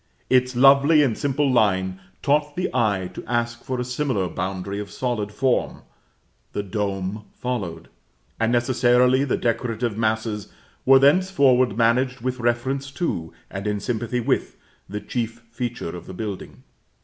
Its lovely and simple line taught the eye to ask for a similar boundary of solid form; the dome followed, and necessarily the decorative masses were thenceforward managed with reference to, and in sympathy with, the chief feature of the building.